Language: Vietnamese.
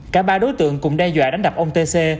cả ba đối tượng cùng đe dọa đánh đập ông t c